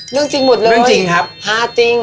เรื่องจริงหมดเลยคราจริง